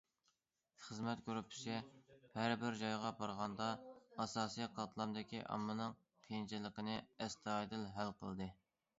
خىزمەت گۇرۇپپىسى ھەر بىر جايغا بارغاندا ئاساسىي قاتلامدىكى ئاممىنىڭ قىيىنچىلىقىنى ئەستايىدىل ھەل قىلدى.